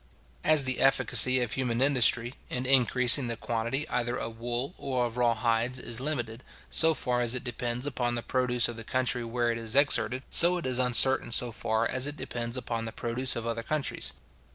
As the efficacy of human industry, in increasing the quantity either of wool or of raw hides, is limited, so far as it depends upon the produce of the country where it is exerted; so it is uncertain so far as it depends upon the produce of other countries.